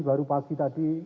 baru pagi tadi